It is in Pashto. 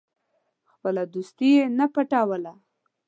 خپله دوستي یې نه پټوله.